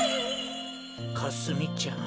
かすみちゃん。